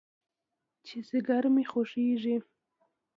چې ځيگر مې خوږېږي.